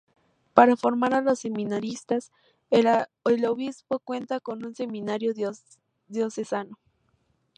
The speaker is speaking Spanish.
Para formar a los seminaristas, el obispado cuenta con un seminario diocesano.